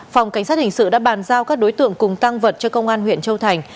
phòng cảnh sát hình sự đã bàn giao các đối tượng cùng tăng vật cho công an huyện châu thành